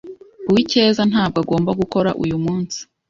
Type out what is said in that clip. Uwicyeza ntabwo agomba gukora uyu munsi.